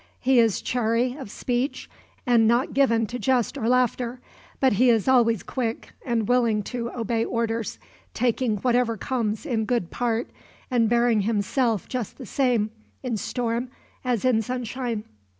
He is chary of speech, and not given to jest or laughter; but he is always quick, and willing to obey orders; taking whatever comes in good part, and bearing himself just the same, in storm, as in sunshine.